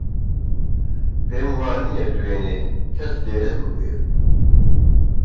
پێم وانییە دوێنێ کەس لێرە بووبێت.